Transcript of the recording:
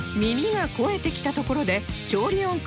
耳が肥えてきたところで調理音